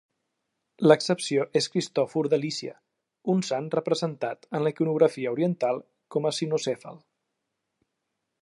L'excepció és Cristòfor de Lícia, un sant representat en la iconografia oriental com a cinocèfal.